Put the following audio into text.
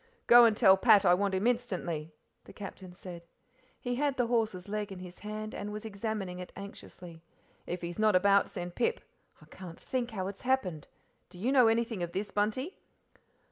"Go and tell Pat I want him instantly," the Captain said. He had the horse's leg in his hand and was examining it anxiously. "If he's not about, send Pip. I can't think how it's happened do you know anything of this, Bunty?"